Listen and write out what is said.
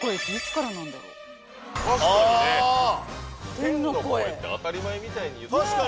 天の声って当たり前みたいに言ってますけど。